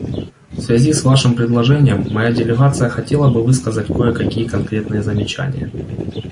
В связи с вашим предложением моя делегация хотела бы высказать кое-какие конкретные замечания.